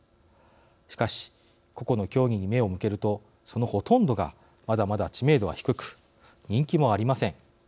しかし個々の競技に目を向けるとそのほとんどがまだまだ知名度は低く人気もありません。